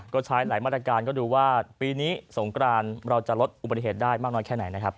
ก็ใช้หลายมาตรการก็ดูว่าปีนี้สงกรานเราจะลดอุบัติเหตุได้มากน้อยแค่ไหนนะครับ